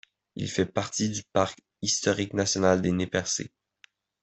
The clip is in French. Il fait partie du parc historique national des Nez-Percés.